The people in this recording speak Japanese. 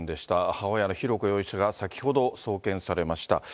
母親の浩子容疑者が先ほど、送検されました。